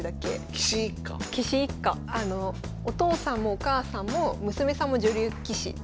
お父さんもお母さんも娘さんも女流棋士。